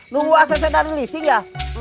tunggu acc dari l gadgets ya